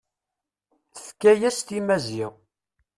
Tefka-yas-t i Maziɣ.